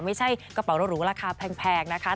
ไม่ใช่กระเป๋ารถหรูราคาแพงนะคะ